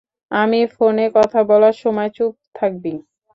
আমি ফোনে কথা বলার সময় চুপ থাকবি।